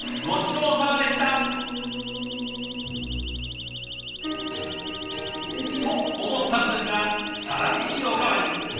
ごちそうさまでした！と思ったんですがサラメシおかわり！